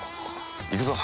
行くぞ。